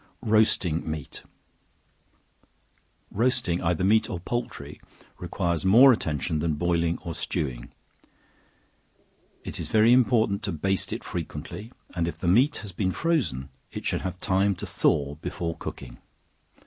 Roasting Meat. Roasting either meat or poultry requires more attention than boiling or stewing; it is very important to baste it frequently, and if the meat has been frozen, it should have time to thaw before cooking.